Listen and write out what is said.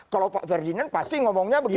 kalau pak ferdinand pasti ngomongnya begini